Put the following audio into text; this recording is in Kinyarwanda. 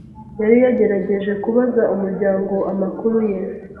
Yari yaragerageje kubaza umuryango amakuru ye